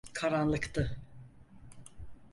Karanlıktı.